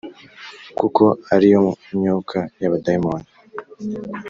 kuko ari yo myuka y’abadayimoni,